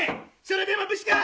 それでも武士か！